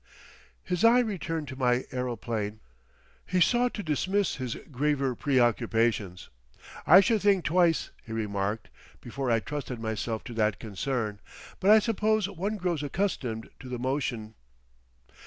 His eye returned to my aeroplane. He sought to dismiss his graver preoccupations. "I should think twice," he remarked, "before I trusted myself to that concern.... But I suppose one grows accustomed to the motion."